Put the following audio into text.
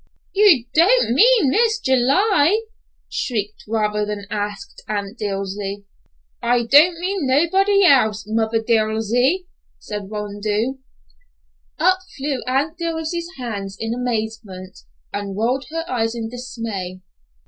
"You don't mean Miss July," shrieked rather than asked Aunt Dilsey. "I don't mean nobody else, mother Dilsey," said Rondeau. Up flew Aunt Dilsey's hands in amazement, and up rolled her eyes in dismay.